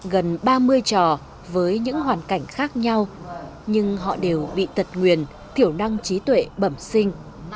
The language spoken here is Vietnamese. gần ba mươi trò với những hoàn cảnh khác nhau nhưng họ đều bị tật nguyền thiểu năng trí tuệ bẩm sinh